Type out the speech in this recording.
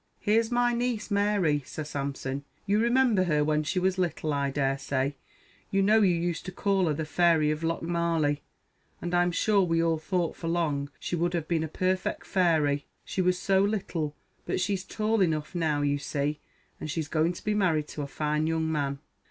"Here's my niece Mary, Sir Sampson; you remember her when she was little, I daresay you know you used to call her the fairy of Lochmarlie; and I'm sure we all thought for long she would have been a perfect fairy, she was so little; but she's tall enough now, you see, and she's going to be married to a fine young man.